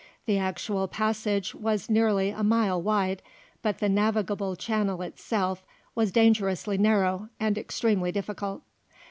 The actual passage was nearly a mile wide, but the navigable channel itself was dangerously narrow and extremely difficult.